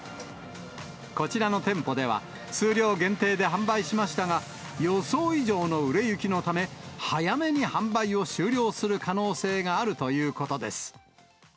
こちらの店舗では、数量限定で販売しましたが、予想以上の売れ行きのため、早めに販売を終了する可能性があるということです。